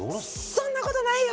そんなことないよ！